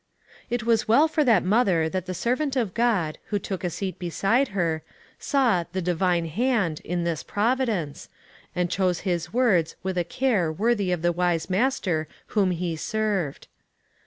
It was well for that mother that the ser vant of God, who took a seat beside her, saw "the Divine Hand" in this providence, and chose his words with a care worthy of the wise Master whom he served.